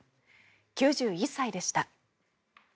９１歳でした。